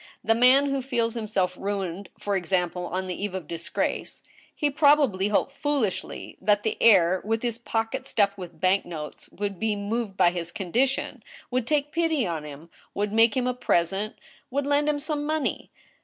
. the man who feels hknself ruined, for example, on the eve of disgrace ; he probably hoped foolishly that the heir with his pocket stuffed with bank notes would be moved by his condition, would take pity on him, would make him a present, would lend hini some money.